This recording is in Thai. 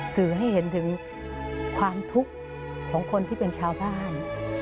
สื่อให้เห็นถึงความทุกข์ของคนที่เป็นชาวบ้าน